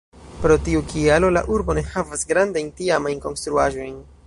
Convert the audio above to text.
Pro tiu kialo la urbo ne havas grandajn tiamajn konstruaĵojn.